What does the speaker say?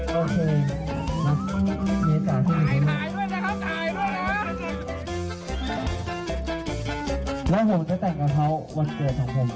แล้วผมจะแต่งกับเขาวันเกิดของผม